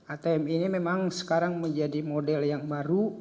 atm ini memang sekarang menjadi model yang baru